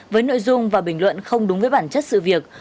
với nội dung và bình luận không đúng với bản chất